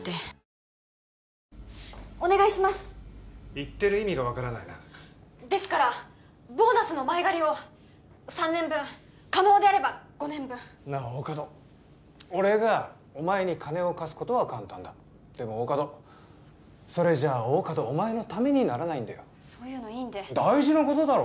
言ってる意味が分からないなですからボーナスの前借りを３年分可能であれば５年分なあ大加戸俺がお前に金を貸すことは簡単だでも大加戸それじゃ大加戸お前のためにならないんだよそういうのいいんで大事なことだろ？